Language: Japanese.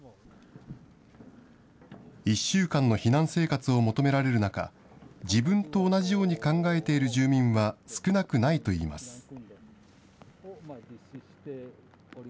１週間の避難生活を求められる中、自分と同じように考えている住民は少なくないといいます。